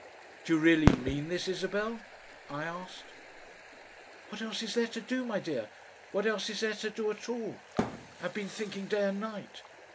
"Do you really mean this, Isabel?" I asked. "What else is there to do, my dear? what else is there to do at all? I've been thinking day and night.